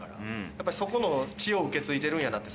やっぱそこの血を受け継いでるんやなって。